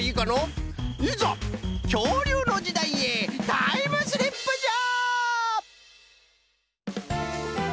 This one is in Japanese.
いざきょうりゅうのじだいへタイムスリップじゃ！